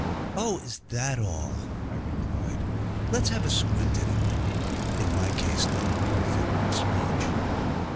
'Oh, is that all?' I replied. 'Let's have a squint at it' (in my case no mere figure of speech).